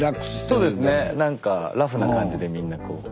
そうですねなんかラフな感じでみんなこう。